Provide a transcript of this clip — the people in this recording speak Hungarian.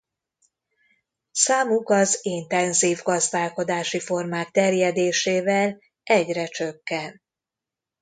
Számuk az intenzív gazdálkodási formák terjedésével egyre csökken.